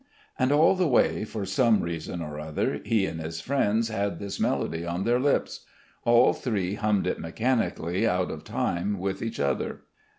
And all the way for some reason or other he and his friends had this melody on their lips. All three hummed it mechanically out of time with each other.